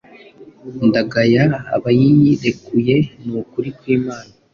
ndagaya abayirekuye nukuri kwimana